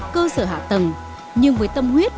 cơ sở hạ tầng nhưng với tâm huyết